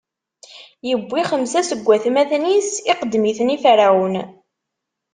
iwwi xemsa seg watmaten-is, iqeddem-iten i Ferɛun.